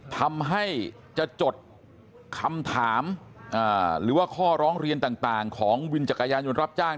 ทำให้จะจดคำถามหรือว่าข้อร้องเรียนต่างของวินจักรยานยนต์รับจ้าง